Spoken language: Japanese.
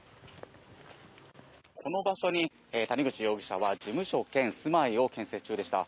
この場所に、谷口容疑者は事務所兼住まいを建設中でした。